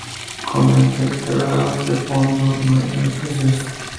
Come invertebrados del fondo marino y peces.